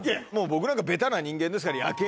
僕なんかベタな人間ですから。